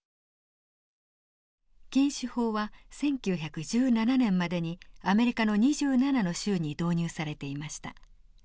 禁酒法は１９１７年までにアメリカの２７の州に導入されていました。